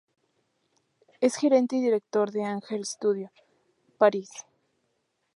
Es gerente y director de Angel Studio, París.